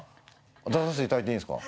出させていただいていいんですか。